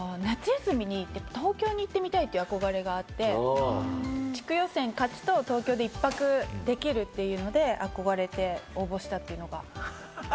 夏休みに東京に行ってみたいという憧れがあって、地区予選勝つと東京で一泊できるというので、憧れて応募したというのが。